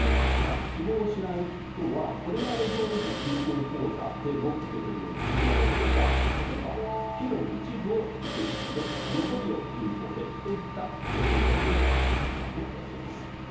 希望しない人はこれまでどおり銀行口座での受け取りを続けられる他例えば、給料の一部をデジタルで残りを銀行でといった受け取り方も選択できます。